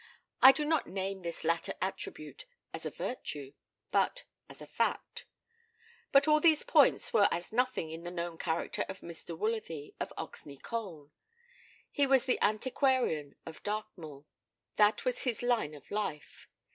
I do not name this latter attribute as a virtue, but as a fact. But all these points were as nothing in the known character of Mr. Woolsworthy, of Oxney Colne. He was the antiquarian of Dartmoor. That was his line of life.